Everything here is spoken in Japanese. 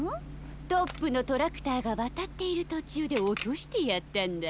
トップのトラクターがわたっているとちゅうでおとしてやったんだ。